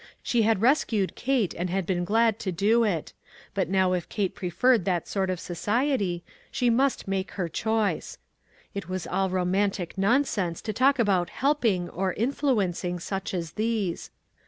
She had rescued Kate, and been glad to do it ; but now if Kate preferred that sort of society, she must make her choice. It was all romantic non sense to talk about " helping " or " influ encing " such as these.